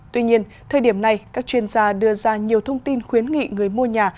tuy nhiên thời điểm này các chuyên gia đưa ra nhiều thông tin khuyến nghị người mua nhà